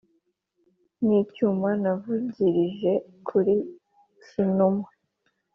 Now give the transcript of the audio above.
n'icyuma navugilije kuli cyinuma.